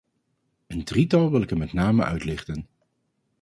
Een drietal wil ik er met name uitlichten.